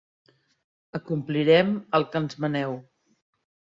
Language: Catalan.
Acomplirem el que ens maneu.